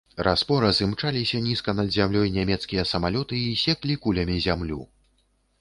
Раз-пораз імчаліся нізка над зямлёй нямецкія самалёты і секлі кулямі зямлю.